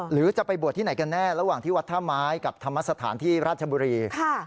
หรือจะไปบวชที่ไหนกันแน่ระหว่างที่วัดท่าไม้กับธรรมสถานที่ราชบุรี